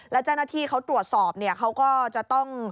และแจ้งหน้าที่เขาตรวจสอบเขาก็จะต้อง